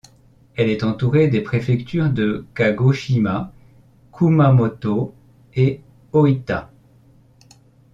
Elle est entourée des préfectures de Kagoshima, Kumamoto et Ōita.